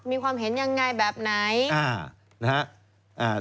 มีความเห็นยังไงแบบไหนอ่านะฮะ